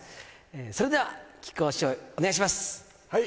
それでは木久扇師匠、お願いします。